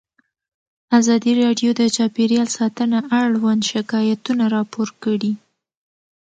ازادي راډیو د چاپیریال ساتنه اړوند شکایتونه راپور کړي.